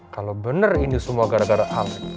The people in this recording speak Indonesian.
kalau bener ini semua gara gara alex